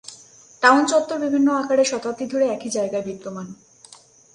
Town চত্বর বিভিন্ন আকারে শতাব্দী ধরে একই জায়গায় বিদ্যমান।